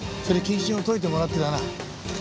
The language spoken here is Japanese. それで謹慎を解いてもらってだな。